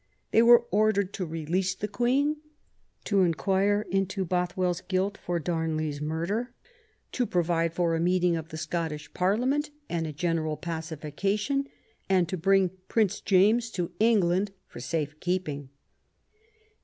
They were ordered to release the Queen, to inquire into Both well's guilt for Damley's murder, to provide for a meeting of the Scottish Parliament and a general pacification, and to bring Prince James to England for safe keeping.